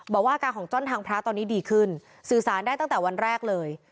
บอกว่าอาการของจ้อนทางพระตอนนี้ดีขึ้นสื่อสารได้ตั้งแต่วันแรกเลย